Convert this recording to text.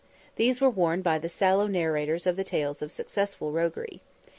These were worn by the sallow narrators of the tales of successful roguery.